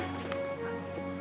tadi katanya nyari pengasuh ya